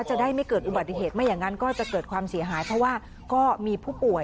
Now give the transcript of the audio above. จะได้ไม่เกิดอุบัติเหตุไม่อย่างนั้นก็จะเกิดความเสียหายเพราะว่าก็มีผู้ป่วย